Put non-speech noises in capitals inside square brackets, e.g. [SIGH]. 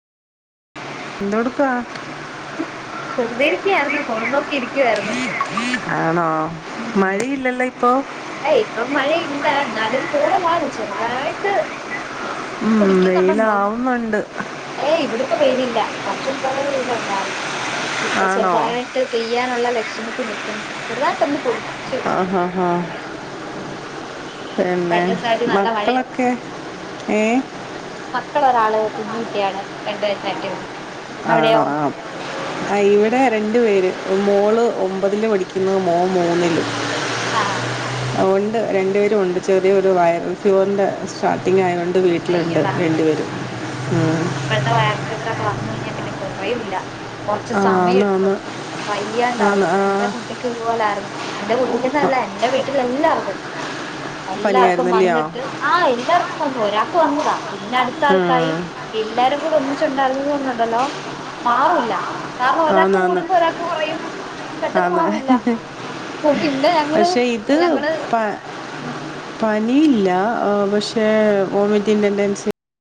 എന്തോടുക്കുവാ വെറുതെരിക്ക്യാരുന്നു ഫോണും നോക്കിയിരി ആണോ മഴയില്ലല്ലോ ഇപ്പൊ അ ഇപ്പം മഴയില്ല ന്നാലും പൂണമാണ് ചെറുതായിട്ട് ഉം, കുടിക്കുന്നുണ്ടെന്ന് തോന്നു വെയിലാവുന്നുണ്ട് ഏയ് ഇവിടിപ്പം വെയ്ലില്ല കൊറച്ചും പല രീതിയിലാ ഉണ്ടാറ് ഇപ്പൊ ആണോ ചെറുതായിട്ട് പെയ്യാനുള്ള ലക്ഷണത്തി നിക്ക്ന്ന് ചെറുതായിട്ടൊന്ന് പൊടി ആഹാഹാ [UNINTELLIGIBLE] പിന്നെ രണ്ട് ദിവസായിട്ട് നല്ല മഴയായിരുന്നു മക്കളൊക്കെ ഏ മക്കള് ഒരാള് കുഞ്ഞൂട്ടിയാണ് രണ്ട് വയസ്സായിട്ടേള്ളു ആണോ അ ആ ഇവിടെ രണ്ടു പേര് മോള് ഒമ്പതില് പടിക്കുന്ന് മോമൂന്നില് ആ ഒണ്ട് രണ്ടു വേരുവൊണ്ട് ചെറിയൊരു വയറൽ ഫ്യുവറിൻ്റെ സ്റ്റാർട്ടിങ് ആയോണ്ട് അയ്യൊട ഉം. ഇപ്പഴ്ത്ത വയറിൽ ഫ്യുവറ ഇപ്പ വന്ന് കഴിഞ്ഞാ പിന്നെ കൊറയൂല്ല കൊറച്ച് ആ സമയം എടുക്കും എന്നാന്ന് ആന്ന് വയ്യാണ്ടാവും ആ എന്റെ കുട്ടിക്കു ഇതുപോലാരുന്നു.. എന്റെ കുട്ടിക്കന്നല്ല എന്റെ വീട്ടിൽലെല്ലാർക്ക്ണ്ട്... എല്ലാർക്കും പനിയായിരുന്നല്ലയോ വന്നിട്ട് ആ എല്ലാർക്കും വന്നു ഒരാൾക്ക് വന്നതാ... പിന്നടുത്താൾക്കായി എല്ലാരും കൂടെ ഒന്നിച്ചൊണ്ടാരുന്നതു കൊണ്ടൊണ്ടല്ലോ മാറൂല്ലാ... കാരണം ഒരാക്ക് ആന്ന് ആന്ന് കൂടുമ്പോ ഒരാക്ക് കൊറയും പെട്ടെന്ന് ആന്ന് മാറൂല്ല.. പിന്നെ ഞങ്ങള് പക്ഷേ ഇത് ഞങ്ങള് ഉം... പനി ഇല്ല പക്ഷെ ഓമിറ്റിങ് ടെൻറ്റെൻസി...